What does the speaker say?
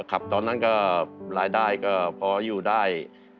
ครับตอนนั้นก็รายได้ก็พออยู่ได้